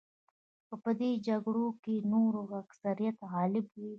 که په دې جګړو کې د نورو اکثریت غالب وي.